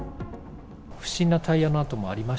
不審なタイヤの跡もありまし